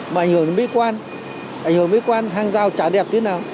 mà ảnh hưởng đến mỹ quan ảnh hưởng đến mỹ quan hàng rào trà đẹp thế nào